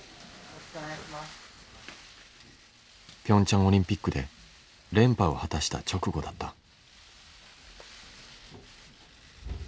ピョンチャンオリンピックで連覇を果たした直後だった。